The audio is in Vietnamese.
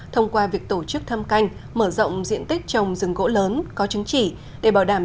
thông qua việc tổ chức thâm canh mở rộng diện tích trồng rừng gỗ lớn có chứng chỉ để bảo đảm